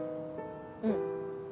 うん。